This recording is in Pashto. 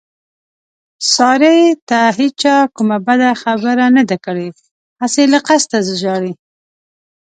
سارې ته هېچا کومه بده خبره نه ده کړې، هسې له قسته ژاړي.